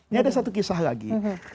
ini ada satu kisah lagi